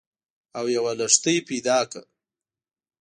او یوه لښتۍ پیدا کړه